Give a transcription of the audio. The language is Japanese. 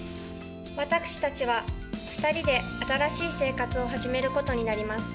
私たちは２人で新しい生活を始めることになります。